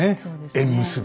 縁結び。